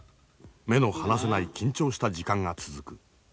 目の離せない緊張した時間が続く。